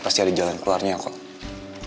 pasti ada jalan keluarnya kok